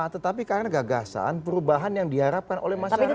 tetapi karena gagasan perubahan yang diharapkan oleh masyarakat